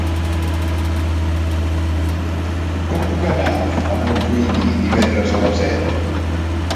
Com puc anar a Montuïri divendres a les set?